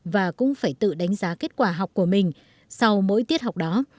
và cũng phải tự đánh giá kết quả học của mình sau mỗi tiết học đó